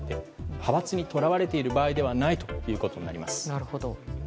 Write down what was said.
派閥にとらわれている場合ではないということです。